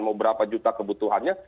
mau berapa juta kebutuhannya